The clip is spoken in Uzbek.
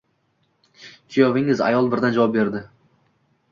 Kuyovingiz… Ayol birdan javob berdi